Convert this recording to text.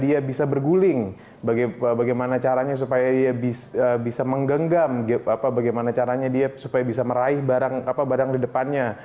dia bisa berguling bagaimana caranya supaya dia bisa menggenggam bagaimana caranya dia supaya bisa meraih barang di depannya